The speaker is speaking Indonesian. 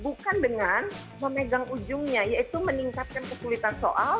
bukan dengan memegang ujungnya yaitu meningkatkan kesulitan soal